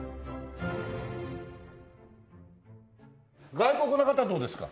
外国の方はどうですか？